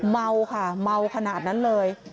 เมาค่ะเมาขนาดนั้นเลย